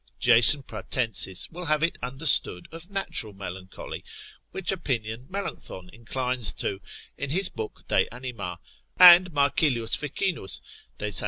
Jason Pratensis will have it understood of natural melancholy, which opinion Melancthon inclines to, in his book de Anima, and Marcilius Ficinus de san.